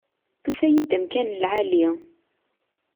Tufa-yi-d amkan n lεali.